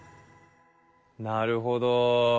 なるほど。